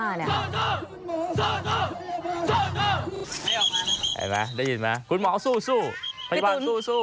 เห็นไหมได้ยินไหมคุณหมอสู้พยาบาลสู้